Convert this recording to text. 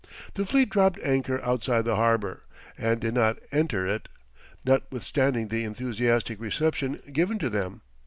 The fleet dropped anchor outside the harbour, and did not enter it, notwithstanding the enthusiastic reception given to them.